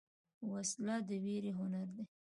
وسله د ویرې هنر ده